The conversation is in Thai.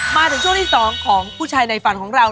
มาถึงช่วงที่๒ของผู้ชายในฝันของเรา